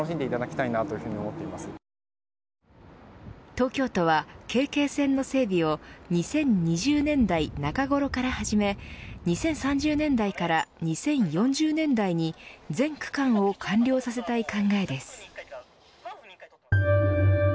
東京都はＫＫ線の整備を２０２０年代中頃から始め２０３０年代から２０４０年代に全区間を完了させたい考えです。